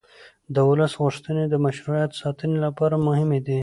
د ولس غوښتنې د مشروعیت ساتنې لپاره مهمې دي